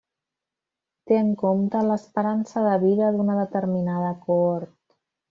Té en compte l'esperança de vida d'una determinada cohort.